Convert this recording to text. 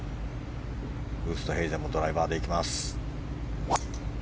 ウーストヘイゼンもドライバーで行きます。